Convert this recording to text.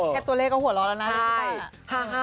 แค่ตัวเลขก็หัวเราะแล้วนะ